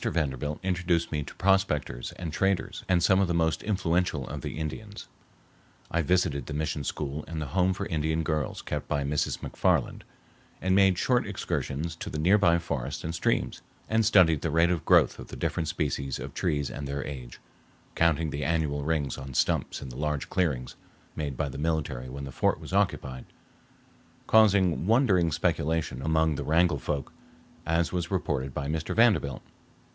Vanderbilt introduced me to prospectors and traders and some of the most influential of the Indians. I visited the mission school and the home for Indian girls kept by Mrs. MacFarland, and made short excursions to the nearby forests and streams, and studied the rate of growth of the different species of trees and their age, counting the annual rings on stumps in the large clearings made by the military when the fort was occupied, causing wondering speculation among the Wrangell folk, as was reported by Mr. Vanderbilt.